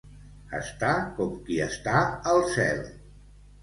Estar com qui està al cel.